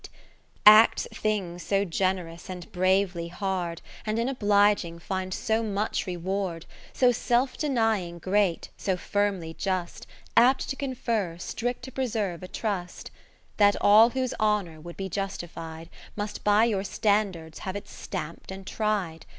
toured Lady E. C. Acts things so generous and bravely hard, And in obliging finds so much reward ; So self denying great, so firmly just. Apt to confer, strict to preserve a trust ; That all whose honour would be justified, Must by your standards have it stamp'd and tried.